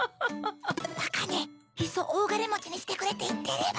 バカねいっそ大金持ちにしてくれって言ってれば。